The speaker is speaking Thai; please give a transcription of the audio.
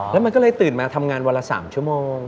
แล้วมันก็เลยตื่นมาทำงานวันละ๓ชั่วโมง